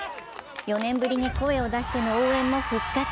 ４年ぶりに声を出しての応援も復活。